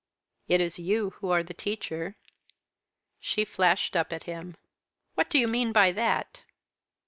"It is you who are the teacher." She flashed up at him. "What do you mean by that?"